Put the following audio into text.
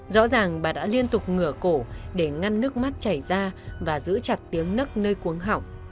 rõ ràng bà đã liên tục ngửa cổ để ngăn nước mắt chảy ra và giữ chặt tiếng nấc nơi cuốn hỏng